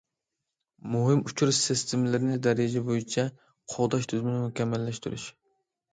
مۇھىم ئۇچۇر سىستېمىلىرىنى دەرىجە بويىچە قوغداش تۈزۈمىنى مۇكەممەللەشتۈرۈش.